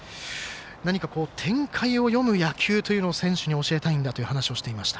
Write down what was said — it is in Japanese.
何か展開を読む野球というのを選手に教えたいんだという話をしていました。